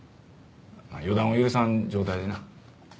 予断を許さん状態でな。